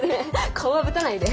「顔はぶたないで。